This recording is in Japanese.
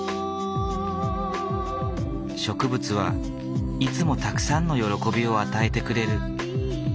「植物はいつもたくさんの喜びを与えてくれる。